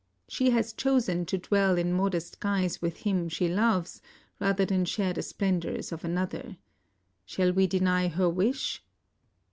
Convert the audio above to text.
She has chosen to dwell in modest guise with him she loves rather than share the splendors of another. Shall we deny her wish?